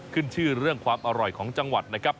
ขึ้นชื่อเรื่องความอร่อยของจังหวัดนะครับ